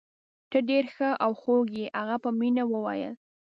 ته ډیر ښه او خوږ يې. هغه په مینه وویل.